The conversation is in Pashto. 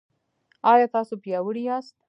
ایا تاسو پیاوړي یاست؟